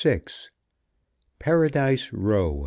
PARADISE ROW.